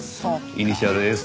イニシャルＳ。